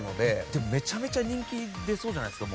でもめちゃめちゃ人気出そうじゃないですか？